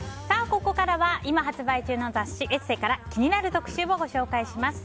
ここからは今発売中の雑誌「ＥＳＳＥ」から気になる特集をご紹介します。